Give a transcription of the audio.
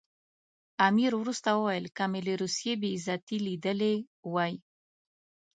امیر وروسته وویل که مې له روسیې بې عزتي لیدلې وای.